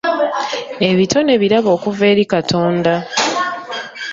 Ebitone birabo okuva eri Katonda.